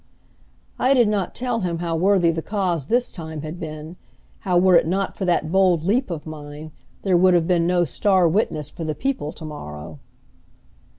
I did not tell him how worthy the cause this time had been, how were it not for that bold leap of mine there would have been no star witness for the people to morrow.